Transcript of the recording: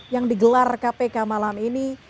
yang digelar kpk malam ini